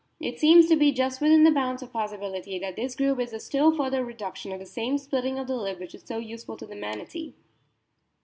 It seems to be just within the bounds of possibility that this groove is a still further reduction of the same splitting of the lip which is so useful to the Manatee.